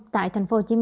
tại tp hcm bốn mươi ba